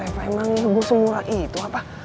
emang gue semurah itu apa